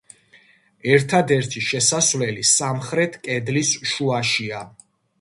ერთადერთი შესასვლელი სამხრეთ კედლის შუაშია.